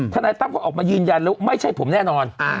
นายตั้มเขาออกมายืนยันแล้วไม่ใช่ผมแน่นอน